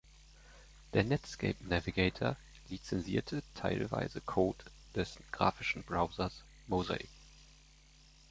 Der Netscape Navigator lizenzierte teilweise Code des grafischen Browsers Mosaic.